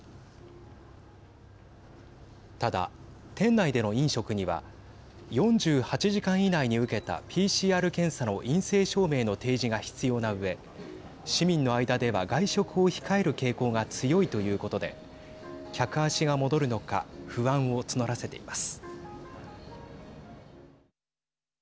ただ、店内での飲食には４８時間以内に受けたＰＣＲ検査の陰性証明の提示が必要なうえ市民の間では外食を控える傾向が強いということで客足が戻るのか不安を募らせています。